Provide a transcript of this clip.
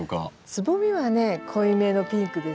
つぼみはね濃いめのピンクですよね。